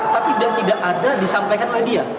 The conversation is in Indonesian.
tapi yang tidak ada disampaikan oleh dia